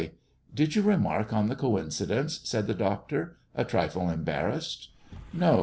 Did you remark on the coincidence ?" said the doctor, a trifle embarrassed. No.